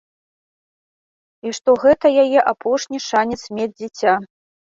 І што гэта яе апошні шанец мець дзіця.